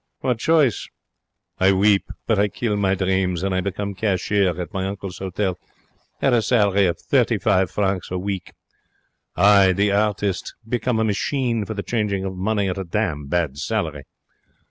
What choice? I weep, but I kill my dreams, and I become cashier at my uncle's hotel at a salary of thirty five francs a week. I, the artist, become a machine for the changing of money at dam bad salary.